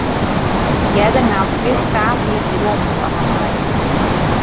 Earder naam Chris saterdeis blommen foar har mei.